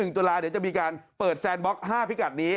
ตุลาเดี๋ยวจะมีการเปิดแซนบล็อก๕พิกัดนี้